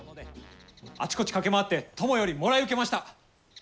あちこち駆け回って、友よりもらい受けました。